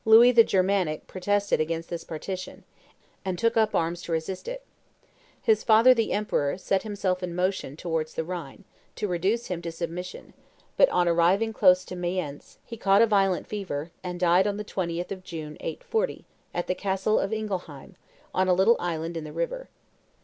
Louis the Germanic protested against this partition, and took up arms to resist it. His father, the emperor, set himself in motion towards the Rhine, to reduce him to submission; but, on arriving close to Mayence, he caught a violent fever, and died on the 20th of June, 840, at the castle of Ingelheim, on a little island in the river.